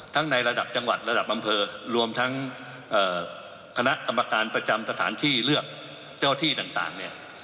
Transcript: ในระดับจังหวัดระดับอำเภอรวมทั้งคณะกรรมการประจำสถานที่เลือกเจ้าที่ต่างเนี่ย